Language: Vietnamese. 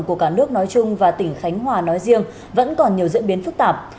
của cả nước nói chung và tỉnh khánh hòa nói riêng vẫn còn nhiều diễn biến phức tạp